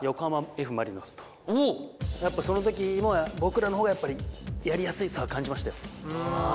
その時も僕らのほうがやっぱりやりやすさは感じましたよ。